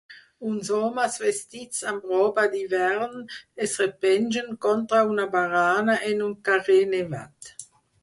Uns homes vestits amb roba d'hivern es repengen contra una barana en un carrer nevat